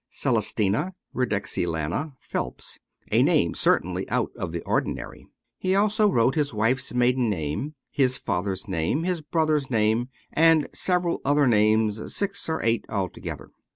" Celestina Redexilana Phelps," a name certainly out of the ordinary. He also wrote his wife's maiden name, his father's name, his brother's name, and several other names — six or eight altogether.